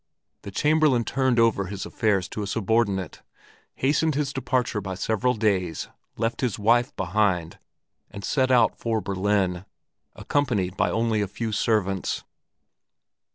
the Chamberlain turned over his affairs to a subordinate, hastened his departure by several days, left his wife behind, and set out for Berlin, accompanied only by a few servants.